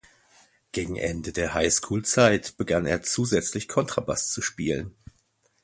Gegen Ende der Highschoolzeit begann er zusätzlich Kontrabass zu spielen.